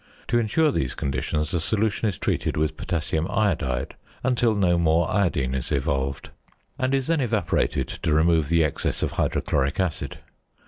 To ensure these conditions, the solution is treated with potassium iodide until no more iodine is evolved, and is then evaporated to remove the excess of hydrochloric acid.